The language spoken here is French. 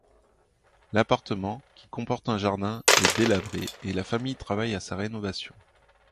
L'appartement, qui comporte un jardin, est délabré et la famille travaille à sa rénovation.